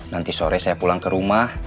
nanti sore saya pulang ke rumah